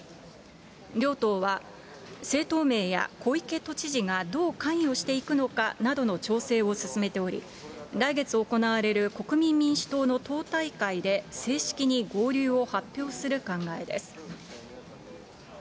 両党は、政党名や、小池都知事がどう関与していくのかなどの調整を進めており、来月行われる国民民主党の党大会で正式に合流を発表する考えです。